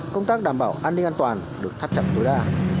công tác đảm bảo an ninh an toàn được thắt chặt tối đa